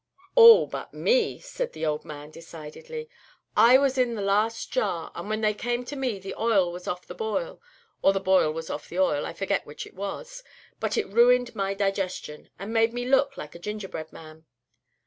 "All but me," said the old man, decidedly. "I was in the last jar, and when they came to me the oil was off the boil, or the boil was off the oil, I forget which it was, but it ruined my digestion, and made me look like a gingerbread man.